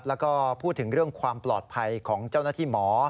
แล้วก็พูดถึงเรื่องความปลอดภัยของเจ้าหน้าที่หมอ